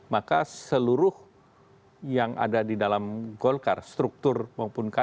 maka seluruh yang ada di dalam golkar struktur maupun kader